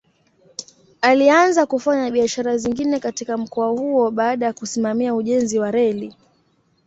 Alianza kufanya biashara zingine katika mkoa huo baada ya kusimamia ujenzi wa reli.